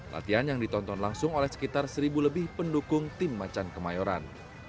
latihan yang ditonton langsung oleh sekitar seribu lebih pendukung tim macan kemayoran